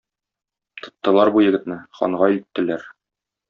Тоттылар бу егетне, ханга илттеләр.